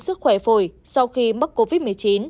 sức khỏe phổi sau khi mắc covid một mươi chín